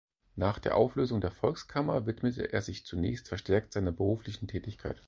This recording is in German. Nach der Auflösung der Volkskammer widmete er sich zunächst verstärkt seiner beruflichen Tätigkeit.